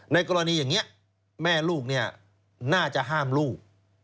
กรณีอย่างนี้แม่ลูกน่าจะห้ามลูก